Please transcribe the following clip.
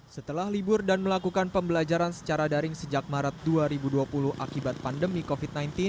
setelah libur dan melakukan pembelajaran secara daring sejak maret dua ribu dua puluh akibat pandemi covid sembilan belas